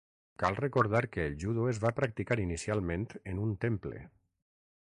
Cal recordar que el judo es va practicar inicialment en un temple.